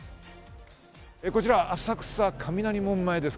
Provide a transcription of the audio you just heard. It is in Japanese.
こちら浅草・雷門前です。